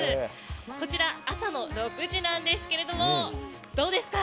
こちら、朝の６時なんですがどうですか？